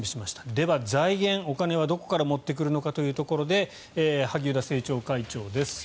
では、財源、お金はどこから持ってくるのかということで萩生田政調会長です。